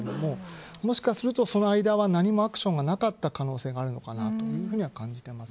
もしかしたらその間は何もアクションがなかった可能性があるのかなというふうには感じます。